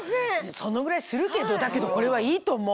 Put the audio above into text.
そのぐらいするけどだけどこれはいいと思う。